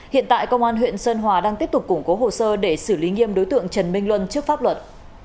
hiện tại công an huyện sơn hòa đang tiếp tục củng cố hồ sơ để xử lý nghiêm đối tượng trần minh luân trước pháp luật